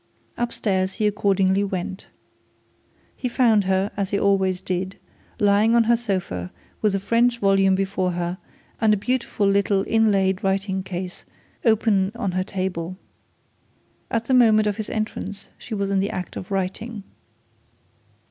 Upstairs he accordingly went. He found her, as he always did, lying on her sofa with a French volume before her, and a beautiful little inlaid writing case open on her table. At the moment of his entrance she was in the act of writing.